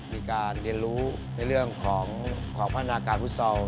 มีการเรียนรู้ในเรื่องของพัฒนาการฟุตซอล